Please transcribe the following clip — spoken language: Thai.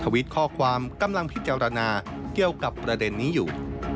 วิตข้อความกำลังพิจารณาเกี่ยวกับประเด็นนี้อยู่